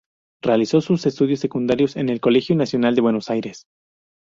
Realizó sus estudios secundarios en el Colegio Nacional de Buenos Aires.